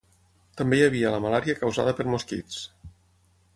També hi havia la malària causada per mosquits.